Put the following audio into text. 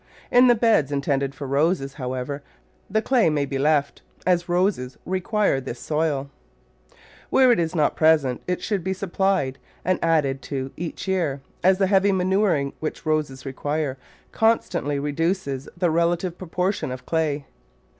In the beds intended for Roses, however, the clay may be left, as Roses require this soil. Where 17 Digitized by Google i8 The Flower Garden [Chapter it is not present it should be supplied and added to each year, as the heavy manuring which Roses require constantly reduces the relative proportion of clay.